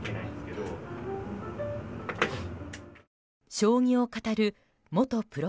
将棋を語る元プロ